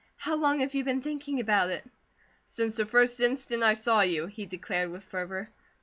How long have you been thinking about it?" "Since the first instant I saw you!" he declared with fervour.